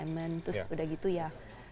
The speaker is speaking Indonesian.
terus sudah begitu ya